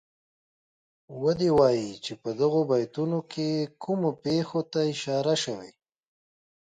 ودې وايي چه په دغو بیتونو کې کومو پېښو ته اشاره شوې.